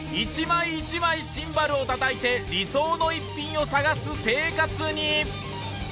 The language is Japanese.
１枚１枚シンバルを叩いて理想の逸品を探す生活に。